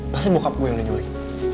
pasti bokap gue yang ngejulik